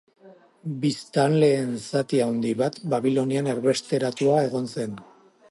Biztanleen zati handi bat Babilonian erbesteratua egon zen.